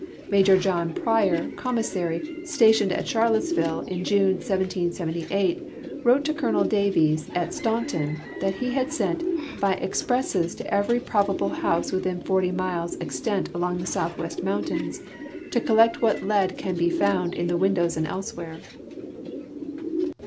Major John Pryor, commissary, stationed at Charlottesville, in June, 1778, wrote to Colonel Davies at Staunton that he had sent "by Expresses to every ju'obable House within forty miles extent along the Southwest Mountains to collect what lead can be found in the windows and elsewhere."